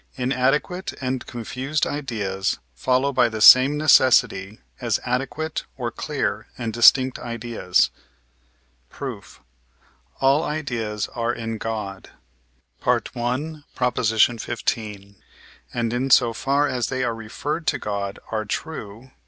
Inadequate and confused ideas follow by the same necessity, as adequate or clear and distinct ideas. Proof. All ideas are in God (I. xv.), and in so far as they are referred to God are true (II.